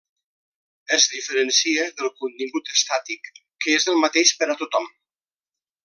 Es diferencia del contingut estàtic, que és el mateix per a tothom.